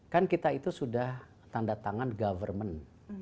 kan kita itu sudah tanda tangan government